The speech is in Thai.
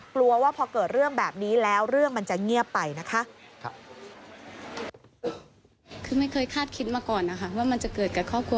กลัวว่าพอเกิดเรื่องแบบนี้แล้วเรื่องมันจะเงียบไปนะคะ